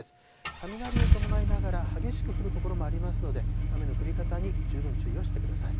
雷を伴いながら、激しく降る所もありますので、雨の降り方に十分注意をしてください。